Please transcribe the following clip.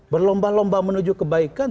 berlomba lomba menuju kebaikan